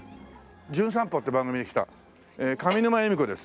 『じゅん散歩』って番組で来た上沼恵美子です。